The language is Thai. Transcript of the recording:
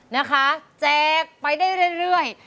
นะคะแจกไปได้เรื่อย